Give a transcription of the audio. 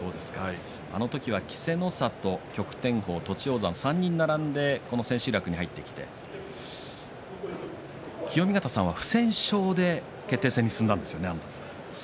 あの時は稀勢の里、旭天鵬、栃煌山３人並んでこの千秋楽に入ってきて清見潟さんは不戦勝で決定戦に進んだんですよね、あの時。